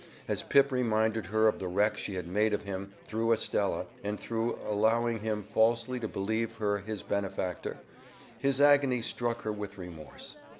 As Pip reminded her of the wreck she had made of him, through Estella, and through allowing him falsely to believe her his benefactor, his agony struck her with remorse.